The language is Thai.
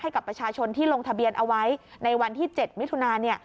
ให้กับประชาชนที่ลงทะเบียนเอาไว้ในวันที่๗มิถุนา